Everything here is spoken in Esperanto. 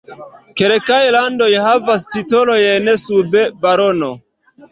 Kelkaj landoj havas titolojn sub barono.